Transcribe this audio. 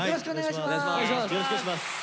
よろしくお願いします。